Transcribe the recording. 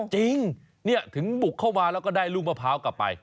จริงถึงบุกเข้ามาแล้วก็ได้ลูกมะพร้าวกลับไป